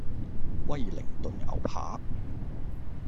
威靈頓牛扒